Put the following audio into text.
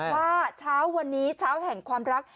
ถ้าบอกว่าช้าวนนี้ช้าวแห่งความรัก